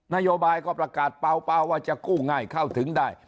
นโยบายก็ประกาศเปล่าว่าจะกู้ง่ายเข้าถึงได้